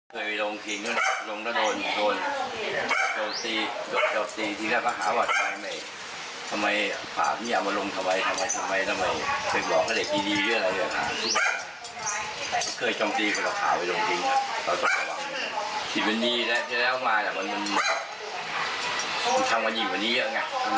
เคยจองตีเป็นต่อขาวไปตรงทิ้งแต่ต่อไปต่อมาคิดวันนี้แล้วแล้วออกมาแล้วมันมันทำกว่าดีกว่านี้แล้วไงมันแบบโอ๊ยน่าเกลียดมาก